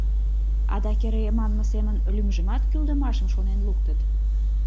Адак эре, манме семын, лӱмжымат кӱлдымашым шонен луктыт.